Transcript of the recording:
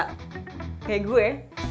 kayak gua ya